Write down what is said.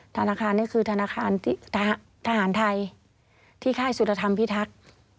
ธนาคารนี่คือธนาคารทหารไทยที่ค่ายสุรธรรมพิทักษ์